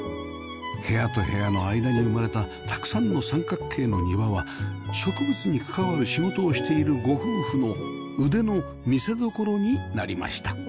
部屋と部屋の間に生まれたたくさんの三角形の庭は植物に関わる仕事をしているご夫婦の腕の見せどころになりました